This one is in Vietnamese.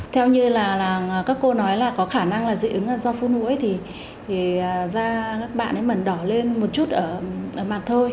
theo như là các cô nói là có khả năng là dị ứng do phun thuốc thì da các bạn mần đỏ lên một chút ở mặt thôi